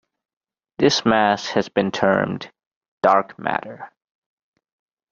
This mass has been termed "dark matter".